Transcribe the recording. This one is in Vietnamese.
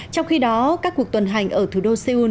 trong khi đó các cuộc tuần hành ở thủ đô seoul